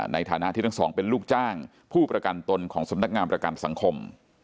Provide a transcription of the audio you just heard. ในฐานะที่ทั้งสองเป็นลูกจ้างผู้ประกันตนของสำนักงานประกันสังคม